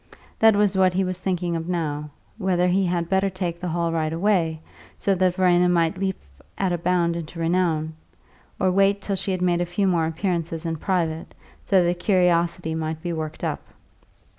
That was what he was thinking of now, whether he had better take a hall right away, so that Verena might leap at a bound into renown, or wait till she had made a few more appearances in private, so that curiosity might be worked up.